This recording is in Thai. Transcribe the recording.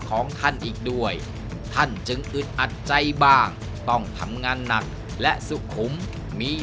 ของท่านอีกด้วยท่านจึงอึดอัดใจบ้างต้องทำงานหนักและสุขุมมี